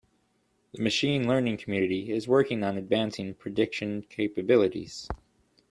The machine learning community is working on advancing prediction capabilities.